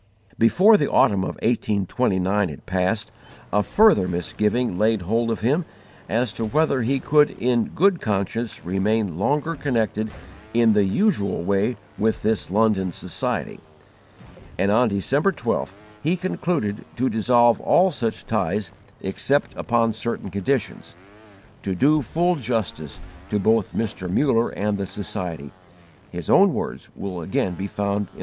Before the autumn of 1829 had passed, a further misgiving laid hold of him as to whether he could in good conscience remain longer connected in the usual way with this London Society, and on December 12th he concluded to dissolve all such ties except upon certain conditions. To do full justice both to Mr. Muller and the Society, his own words will again be found in the Appendix.